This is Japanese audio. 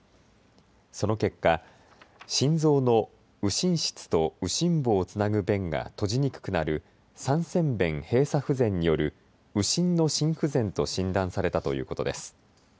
その結果、心臓の右心室と右心房をつなぐ弁が閉じにくくなる三尖弁閉鎖不全による右心の心不全と診断されたということです。